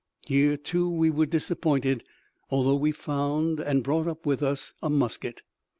Here, too, we were disappointed, although we found and brought up with us a musket.